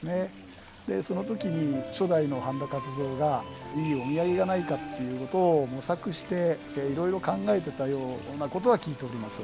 そのときに初代の半田勝三がいいお土産がないかということを模索していろいろ考えてたようなことは聞いております。